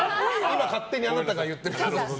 勝手にあなたが言っているだけ。